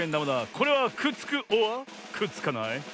これはくっつくｏｒくっつかない？